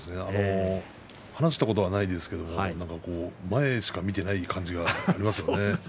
話したことはないんですけども前しか見ていないような感じがしますね。